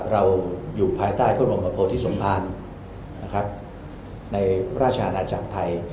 เราอยู่ภายใต้กรมประโภที่สมภารในราชาณาจักรไทย